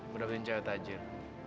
gua dapetin cewek tajir